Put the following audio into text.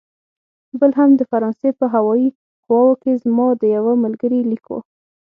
بل هم د فرانسې په هوايي قواوو کې زما د یوه ملګري لیک و.